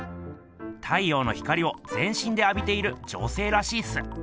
太陽の光をぜんしんであびている女性らしいっす。